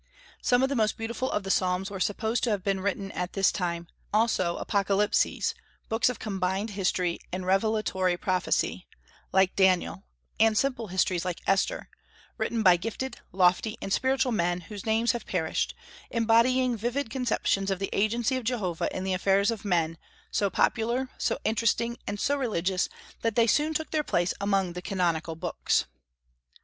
Some of the most beautiful of the Psalms were supposed to have been written at this time; also Apocalypses, books of combined history and revelatory prophecy, like Daniel, and simple histories like Esther, written by gifted, lofty, and spiritual men whose names have perished, embodying vivid conceptions of the agency of Jehovah in the affairs of men, so popular, so interesting, and so religious that they soon took their place among the canonical books.